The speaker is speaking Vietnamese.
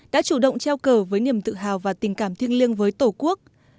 đã chủ động treo cờ với niềm tự hào và tình cảm thiêng liêng với tổ quốc